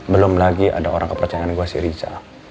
belum lagi ada orang kepercayaan gue si rica